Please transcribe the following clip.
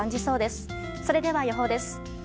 それでは、予報です。